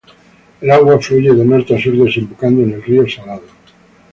El agua fluye de norte a sur, desembocando en el río Salado.